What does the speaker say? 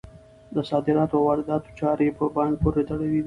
د صادراتو او وارداتو چارې په بانک پورې تړلي دي.